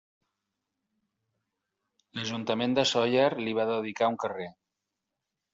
L'Ajuntament de Sóller li va dedicar un carrer.